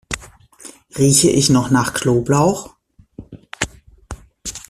Rieche ich noch nach Knoblauch?